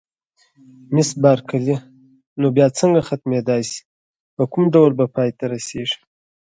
مس بارکلي: نو بیا څنګه ختمېدای شي، په کوم ډول به پای ته رسېږي؟